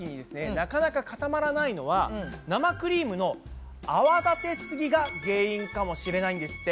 なかなか固まらないのは生クリームの泡立てすぎが原因かもしれないんですって。